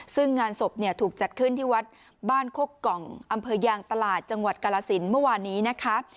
ซึ่งงานศพเนี่ยถูกจัดขึ้นที่วัดบ้านโคกกล่องอำเภอยางตลาดจังหวัดกาลสินเมื่อวานนี้นะคะ